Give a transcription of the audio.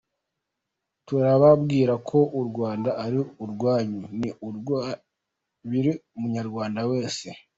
Turababwira ko u Rwanda ari urwanyu, ni urwa buri munyarwanda wese.”